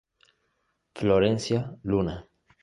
Florencia Luna.